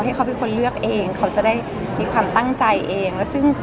ที่เขาเป็นคนเลือกเองเขาจะได้มีความตั้งใจเอง